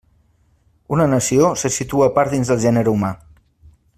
Una nació se situa a part dins del gènere humà.